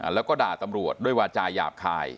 แล้วก็ด่าตำรวจด้วยวาจาหยาบคาย